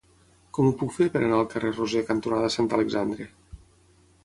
Com ho puc fer per anar al carrer Roser cantonada Sant Alexandre?